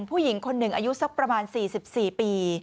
ผู้หญิงคนหนึ่งอายุสักประมาณ๔๔ปี